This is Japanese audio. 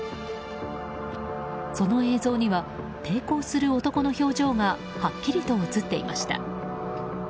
その映像には抵抗する男の表情がはっきりと映っていました。